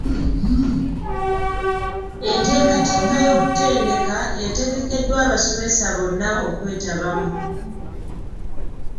Enteekateeka y'okutendeka etegekeddwa abasomesa bonna okwetabamu.